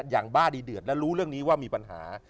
บ้าดีเดือดและรู้เรื่องนี้ว่ามีปัญหา